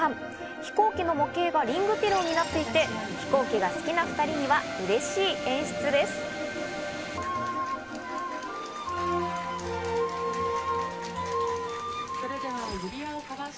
飛行機の模型がリングピローになっていて、飛行機が好きな２人には嬉しい演出です。